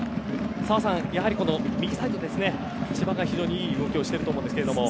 澤さん、右サイド千葉が非常にいい動きをしていると思うんですけれども。